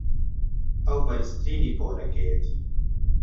ئەو بەرزترینی پۆلەکەیەتی.